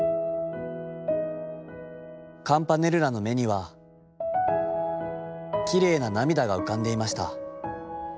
カムパネルラの眼にはきれいな涙が浮かんでゐました。